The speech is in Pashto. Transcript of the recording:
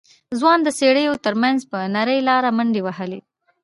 ځوان د څېړيو تر منځ په نرۍ لاره منډې وهلې.